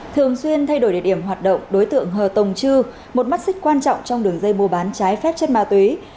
thường xuyên thay đổi địa điểm hoạt động đối tượng hờ tồng chư một mắt xích quan trọng trong đường dây mua bán trái phép chất ma túy